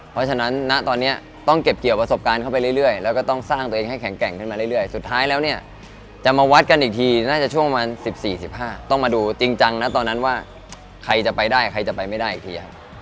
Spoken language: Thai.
เพราะฉะนั้นณตอนนี้ต้องเก็บเกี่ยวประสบการณ์เข้าไปเรื่อยแล้วก็ต้องสร้างตัวเองให้แข็งแกร่งขึ้นมาเรื่อยสุดท้ายแล้วเนี่ยจะมาวัดกันอีกทีน่าจะช่วงประมาณ๑๔๑๕ต้องมาดูจริงจังนะตอนนั้นว่าใครจะไปได้ใครจะไปไม่ได้อีกทีครับ